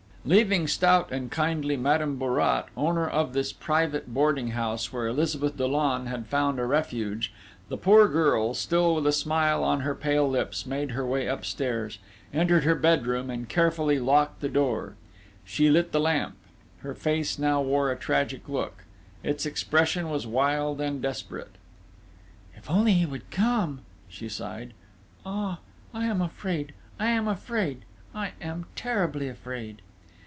Leaving stout and kindly Madame Bourrat, owner of this private boarding house where Elizabeth Dollon had found a refuge, the poor girl, still with a smile on her pale lips, made her way upstairs, entered her bedroom, and carefully locked the door. She lit the lamp. Her face now wore a tragic look: its expression was wild and desperate.... "If only he would come!" she sighed.... "Ah, I am afraid! I am afraid!... I am terribly afraid!"